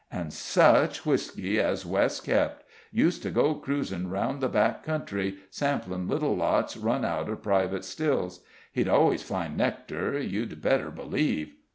And such whisky as Wess kept! used to go cruising around the back country, sampling little lots run out of private stills. He'd always find nectar, you'd better believe.